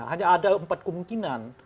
hanya ada empat kemungkinan